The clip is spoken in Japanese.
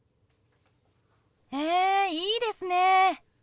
へえいいですね。